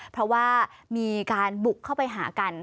เพราะว่ามีการบุกเข้าไปหากัน